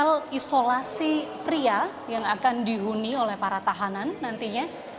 ada isolasi pria yang akan dihuni oleh para tahanan nantinya